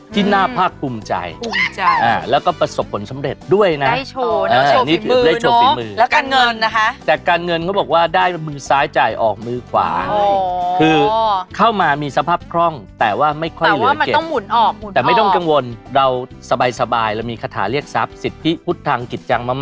ต่อไปค่ะสำหรับผู้ที่เกิดในเดือนตุลาคม